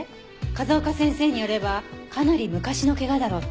風丘先生によればかなり昔の怪我だろうって。